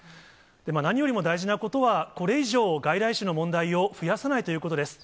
何よりも大事なことは、これ以上、外来種の問題を増やさないということです。